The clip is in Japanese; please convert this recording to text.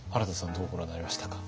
どうご覧になられましたか？